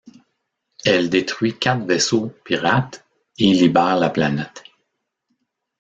Elle détruit quatre vaisseaux pirates et libère la planète.